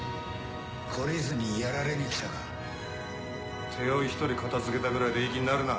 懲りずにやられに来たか。手負い一人片付けたぐらいでいい気になるな。